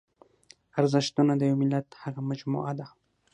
ارزښتونه د یوه ملت هغه مجموعه ده.